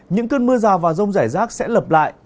những cơn mưa rào và rông rải rác sẽ lập lại